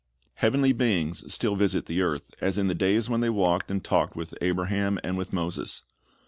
Heavenly beings still visit the earth, as in the days when they walked and talked \\ ith Abraham and with Moses.